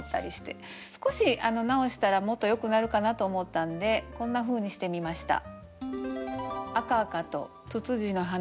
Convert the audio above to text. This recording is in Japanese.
少し直したらもっとよくなるかなと思ったんでこんなふうにしてみました。